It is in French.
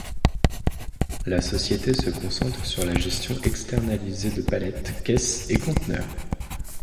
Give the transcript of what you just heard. La société se concentre sur la gestion externalisée de palettes, caisses et conteneurs.